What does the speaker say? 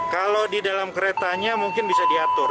kalau di dalam keretanya mungkin bisa diatur